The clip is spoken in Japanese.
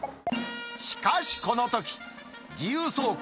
しかしこのとき、自由走行